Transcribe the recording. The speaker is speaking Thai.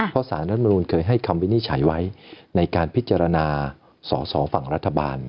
เพราะสารรัฐมนุนเคยให้คำวินิจฉัยไว้ในการพิจารณาสอสอฝั่งรัฐบาล